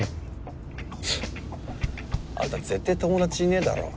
チッあんた絶対友達いねえだろ。